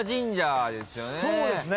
そうですね。